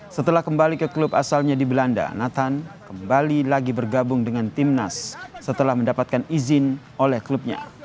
setelah kembali ke klub asalnya di belanda nathan kembali lagi bergabung dengan timnas setelah mendapatkan izin oleh klubnya